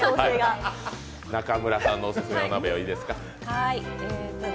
中村さんのオススメ鍋はいいですか？